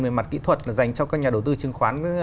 mề mặt kỹ thuật là dành cho các nhà đầu tư chứng khoán